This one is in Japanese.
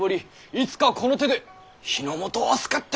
「いつかこの手で日の本を救ってみせる！」と。